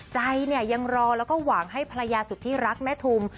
ใจเนี่ยยังรอแล้วก็หวังให้ภรรยาสุดที่รักแม่ทุม